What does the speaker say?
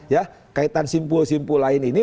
ya kaitan simpul simpul lain ini